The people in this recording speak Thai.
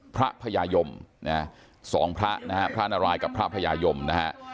พญายมนะฮะสองพระนะฮะพระนารายกับพระพญายมนะฮะ